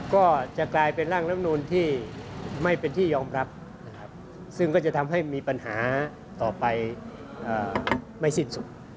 ก็จะกลายเป็นร่างลำนูนที่ไม่เป็นที่ยอมรับนะครับซึ่งก็จะทำให้มีปัญหาต่อไปไม่สิ้นสุด